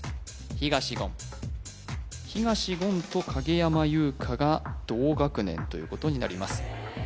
東言東言と影山優佳が同学年ということになります